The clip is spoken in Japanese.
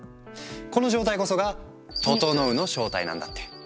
この状態こそが「ととのう」の正体なんだって。